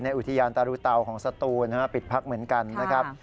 อุทยานตารูเตาของสตูนปิดพักเหมือนกันนะครับ